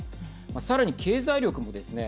さらに経済力もですね